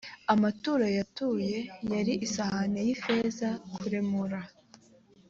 amaturo yatuye yari isahani y ifeza kuremura